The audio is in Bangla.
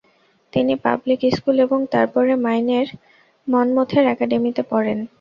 তিনি পাবলিক স্কুল এবং তারপরে মাইনের মনমোথের একাডেমিতে পড়েন।